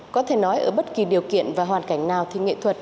có thể nói ở bất kỳ điều kiện và hoàn cảnh nào thì nghệ thuật